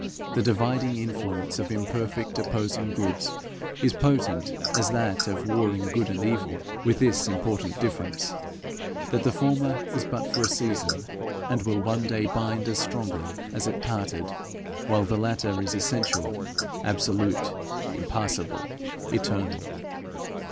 The dividing influence of imperfect opposing goods is potent as that of warring good and evil, with this important difference, that the former is but for a season, and will one day bind as strongly as it parted, while the latter is essential, absolute, impassible, eternal.